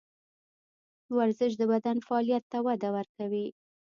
ورزش د بدن فعالیت ته وده ورکوي.